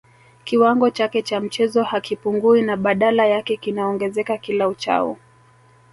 Kiwango chake cha mchezo hakipungui na badala yake kinaongezeka kila uchao